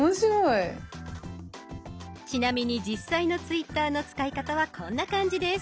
ちなみに実際のツイッターの使い方はこんな感じです。